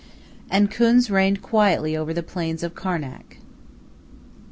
And Khuns reigned quietly over the plains of Karnak.